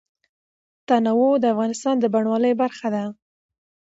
تنوع د افغانستان د بڼوالۍ برخه ده.